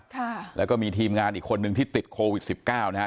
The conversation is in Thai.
ค่ะแล้วก็มีทีมงานอีกคนนึงที่ติดโควิดสิบเก้านะฮะ